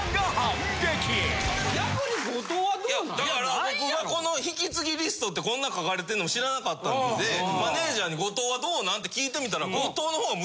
いやだから僕がこの引き継ぎリストってこんなん書かれてんのも知らなかったのでマネジャーに後藤はどうなん？って聞いてみたら。